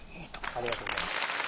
ありがとうございます。